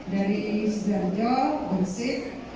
dari elis darjah bersik lantai